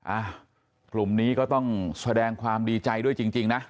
อ่ะกลุ่มนี้ก็ต้องแสดงความดีใจด้วยจริงนะ